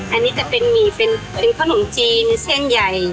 อันนี้จะเป็นหมี่เป็นขนมจีนเส้นใหญ่